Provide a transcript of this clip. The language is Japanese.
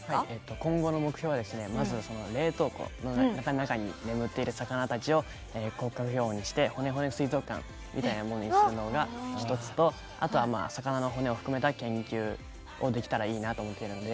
今後の目標は冷凍庫の中に眠っている魚たちを骨格標本にして骨骨水族館を作ることが１つとあとは、魚の骨を含めた研究をできたらいいなと思っているので。